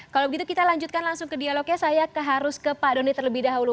kalau begitu kita lanjutkan langsung ke dialognya saya harus ke pak doni terlebih dahulu